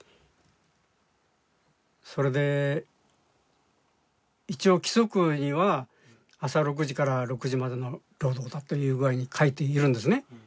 それで一応規則には朝６時から６時までの労働だという具合に書いているんですね。